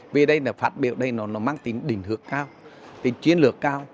vì đây là phát biểu đây nó mang tính đỉnh hợi cao tính chiến lược cao